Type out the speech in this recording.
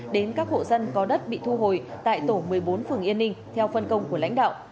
đến các hộ dân có đất bị thu hồi tại tổ một mươi bốn phường yên ninh theo phân công của lãnh đạo